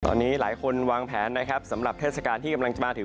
ตอนนี้หลายคนวางแผนนะครับสำหรับเทศกาลที่กำลังจะมาถึง